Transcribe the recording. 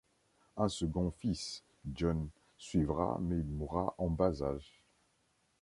Un second fils, John, suivra mais il mourra en bas-âge.